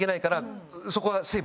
そこは。